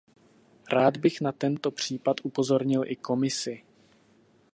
Rád bych na tento případ upozornil i Komisi.